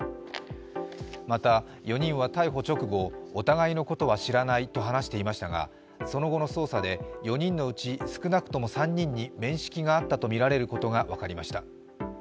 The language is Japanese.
また、４人は逮捕直後、お互いのことは知らないと話していましたが、その後の捜査で、４人のうち少なくとも３人に面識があったとみられることが分かりました。